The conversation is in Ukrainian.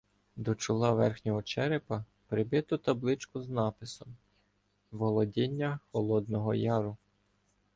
До чола верхнього черепа прибито табличку з написом: "Володіння Холодного Яру.